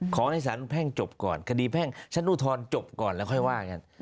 ขอให้สารแพ่งจบก่อนคดีแพ่งชั้นอุทธรณ์จบก่อนแล้วค่อยว่ากัน